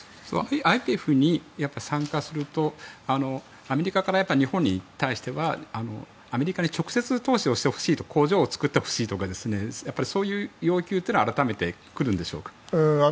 ＩＰＥＦに参加するとアメリカから日本に対してはアメリカに直接投資をしてほしい工場を作ってほしいとかそういう要求というのは改めて来るんでしょうか。